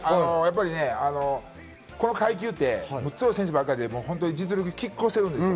この階級って強い選手ばかりで実力は拮抗してるんですよ。